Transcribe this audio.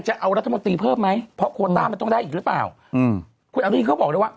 จะเอารัฐมนตรีเพิ่มไหมเพราะโครตามันต้องได้อีกหรือเปล่า